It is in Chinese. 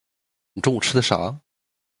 你中午吃的啥啊？